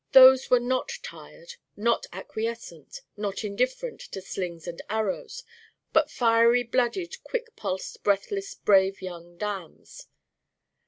Those were not tired, not acquiescent, not indifferent to slings and arrows, but firey blooded quick pulsed breathless brave young Damns.